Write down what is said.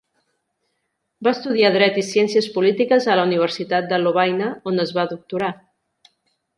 Va estudiar Dret i Ciències Polítiques a la Universitat de Lovaina, on es va doctorar.